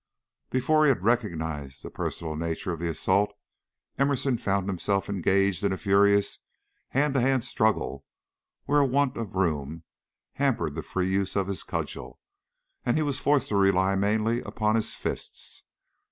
Before he had recognized the personal nature of the assault, Emerson found himself engaged in a furious hand to hand struggle where a want of room hampered the free use of his cudgel, and he was forced to rely mainly upon his fists.